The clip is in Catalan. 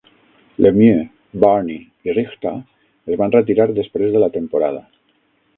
Lemieux, Burnie i Richter es van retirar després de la temporada.